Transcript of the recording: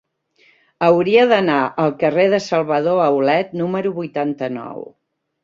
Hauria d'anar al carrer de Salvador Aulet número vuitanta-nou.